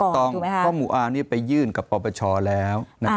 ต้องเพราะหมู่อานี่ไปยื่นกับปปชแล้ว